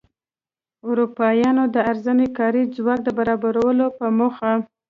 اروپایانو د ارزانه کاري ځواک د برابرولو په موخه.